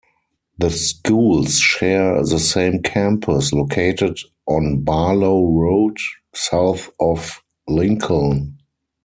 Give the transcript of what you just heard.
The schools share the same campus, located on Barlow Road, south of Lincoln.